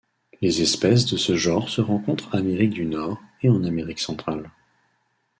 Les espèces de ce genre se rencontrent Amérique du Nord et en Amérique centrale.